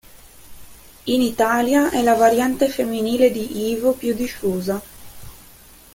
In Italia è la variante femminile di Ivo più diffusa.